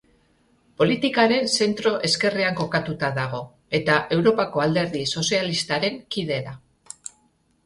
Politikaren zentro-ezkerrean kokatua dago, eta Europako Alderdi Sozialistaren kide da.